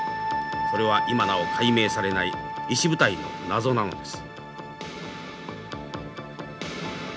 それは今なお解明されない石舞台の謎なのです。